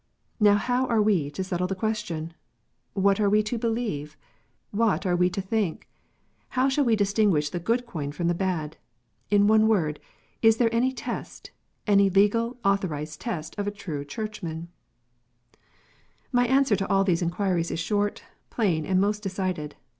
Xow how are we to settle the question? What are we to believe? What are we to think ? How shall we distinguish the good coin from the bad ? In one word, is there any test, any legal, author ized test of a true Churchman 1 My answer to all these inquiries is short, plain, and most decided.